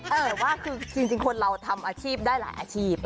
เออว่าคือจริงคนเราทำอาชีพได้หลายอาชีพ